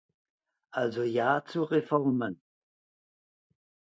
Also ja zu Reformen!